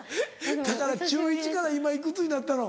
だから中１から今いくつになったの？